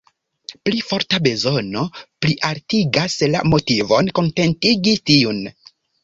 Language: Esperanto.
Pli forta bezono plialtigas la motivon kontentigi tiun.